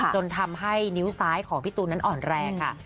จนทำให้นิ้วซ้ายของพี่ตูนนั้นอ่อนแรงค่ะ